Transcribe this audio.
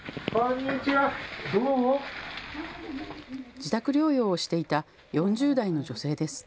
自宅療養をしていた４０代の女性です。